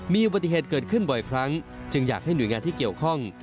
มีอุบัติเหตุเกิดขึ้นบ่อยครั้งจึงอยากให้หน่วยงานที่เกี่ยวข้อง